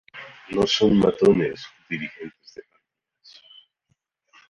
No son matones o dirigentes de pandillas.